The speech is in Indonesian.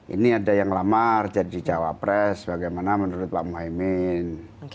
ini ada yang lamar jadi jawab pres bagaimana menurut pak muhyiddin